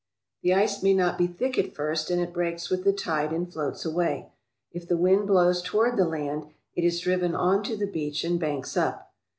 The ice may not be thick at first and it breaks with the tide and floats away. If the wind blows toward the land, it is driven on to the beach and banks up.